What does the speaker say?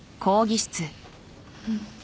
うん。